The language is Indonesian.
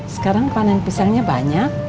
sekarang panen pisangnya banyak